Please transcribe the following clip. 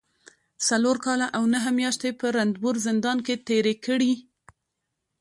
څلور کاله او نهه مياشتې په رنتنبور زندان کې تېرې کړي